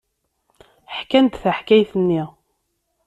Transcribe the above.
Ḥkan-d taḥkayt-nni.